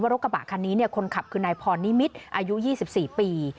ว่ารถกระบะคันนี้คนขับคือนายพอร์นิมิตรอายุยี่สิบสี่ปี